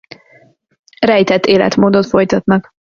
Rejtett életmódot folytatnak.